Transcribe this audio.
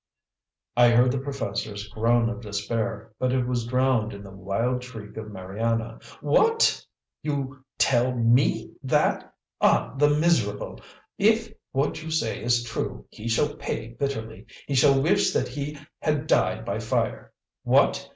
I heard the professor's groan of despair, but it was drowned in the wild shriek of Mariana. "WHAT? You tell ME that? Ah, the miserable! If what you say is true, he shall pay bitterly! He shall wish that he had died by fire! What!